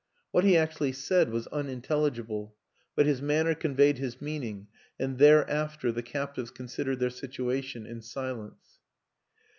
What he actually said was unintelligible, but his manner conveyed his meaning and thereafter the captives considered their situation in silence.